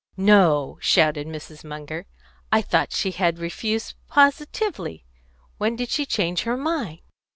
"No!" shouted Mrs. Munger. "I thought she had refused positively. When did she change her mind?"